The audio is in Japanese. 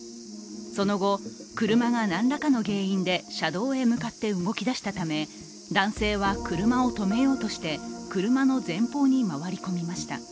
その後、車が何らかの原因で車道へ向かって動きだしたため男性は車を止めようとして車の前方に回り込みました。